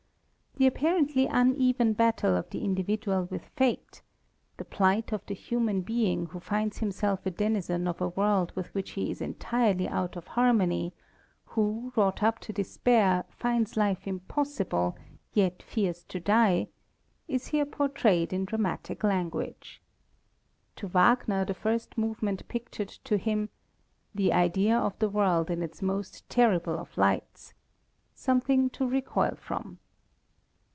The apparently uneven battle of the individual with fate, the plight of the human being who finds himself a denizen of a world with which he is entirely out of harmony, who, wrought up to despair, finds life impossible yet fears to die, is here portrayed in dramatic language. To Wagner the first movement pictured to him "the idea of the world in its most terrible of lights," something to recoil from.